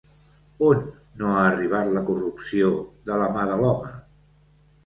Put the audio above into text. On no ha arribat la corrupció de la mà de l'home?